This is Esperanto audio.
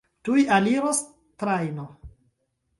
Tuj aliros trajno.